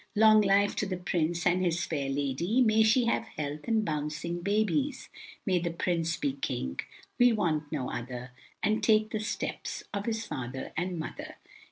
Long life to the Prince and his fair lady, May she have health and bouncing babies, May the Prince be King, we want no other, And take the steps of his father and mother.